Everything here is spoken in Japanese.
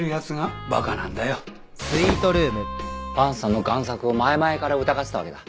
伴さんの贋作を前々から疑ってたわけだ。